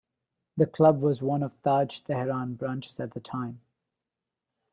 The club was one of Taj Tehran branches at the time.